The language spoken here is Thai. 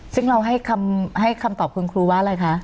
ซึ่งเราให้คำตอบคุณครูว่าอะไรคะ